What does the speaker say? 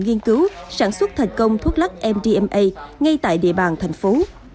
nghiên cứu sản xuất thành công thuốc lắc mdma ngay tại địa bàn thành phố